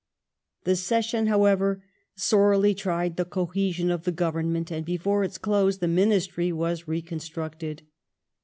The Session, however, sorely tried the cohesion of the Govern ment, and before its close the Ministry was reconstructed.